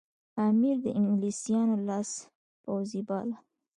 امیر د انګلیسیانو لاس پوڅی باله.